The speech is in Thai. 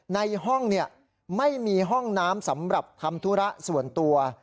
ในห้องไม่มีห้องน้ำสำหรับทำธุระส่วนตัว